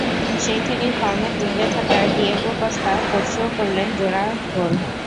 সেই থেকেই ফর্মের তুঙ্গে থাকা ডিয়েগো কস্তা পরশুও করলেন জোড়া গোল।